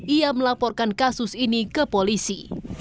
ia melaporkan kasus ini ke polisi